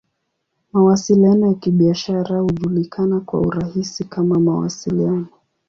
Mawasiliano ya Kibiashara hujulikana kwa urahisi kama "Mawasiliano.